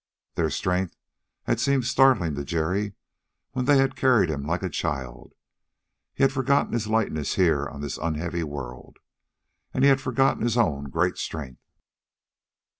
Their strength had seemed startling to Jerry when they had carried him like a child. He had forgotten his lightness here on this unheavy world. And he had forgotten his own great strength.